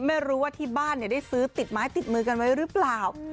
ไม่รู้ว่าที่บ้านได้ซื้อติดไม้ติดมือกันไว้หรือเปล่า